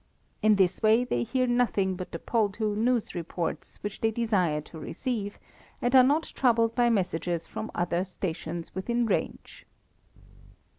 In this way they hear nothing but the Poldhu news reports which they desire to receive, and are not troubled by messages from other stations within range.